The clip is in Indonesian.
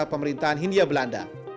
masa pemerintahan hindia belanda